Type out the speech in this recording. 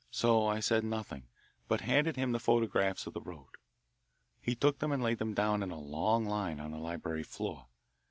So I said nothing, but handed him the photographs of the road. He took them and laid them down in a long line on the library floor.